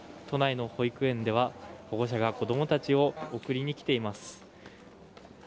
都内の保育園では保護者が子供たちを送りに来ています。